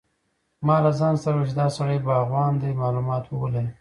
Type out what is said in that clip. ما له ځان سره وویل چې دا سړی باغوان دی معلومات به ولري.